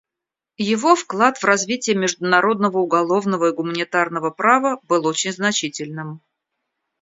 Его вклад в развитие международного уголовного и гуманитарного права был очень значительным.